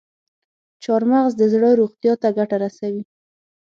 چارمغز د زړه روغتیا ته ګټه رسوي.